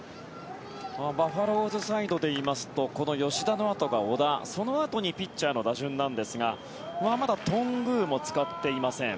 バファローズサイドでいいますとこの吉田のあとが小田そのあとにピッチャーの打順ですがまだ頓宮も使っていません。